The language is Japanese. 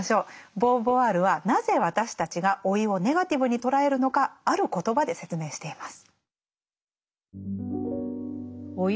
ボーヴォワールはなぜ私たちが老いをネガティブに捉えるのかある言葉で説明しています。